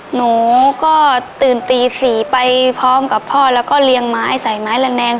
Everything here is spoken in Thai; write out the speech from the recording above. หนูก็ตื่นตี๔ไปพร้อมกับพ่อแล้วก็เลี้ยงไม้ใส่ไม้ละแนง